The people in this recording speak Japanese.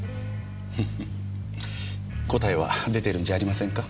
ふふっ答えは出てるんじゃありませんか？